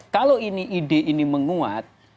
kalau ini ide ini menguat